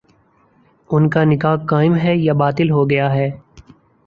ان کا نکاح قائم ہے یا باطل ہو گیا ہے